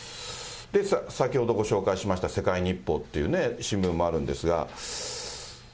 先ほどご紹介しました世界日報っていう新聞もあるんですが。